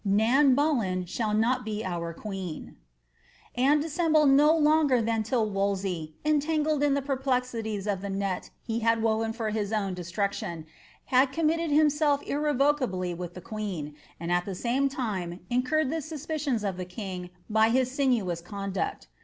Nan Bullea shall not be our Anne dissembled no longer than till Wolsey (entangled in the perplez iu«s of the net he had woven foi hia own destruction) had committed hinuelf irrevocably with the queen, and at the same time incurred ibo •Mipiciuns of the king by his sinuous conduct.